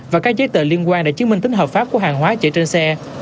và các giấy tờ liên quan để chứng minh tính hợp pháp của hàng hóa chạy trên xe